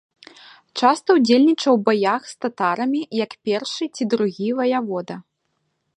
Часта ўдзельнічаў у баях з татарамі як першы ці другі ваявода.